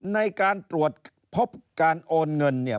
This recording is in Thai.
ในการตรวจพบการโอนเงินเนี่ย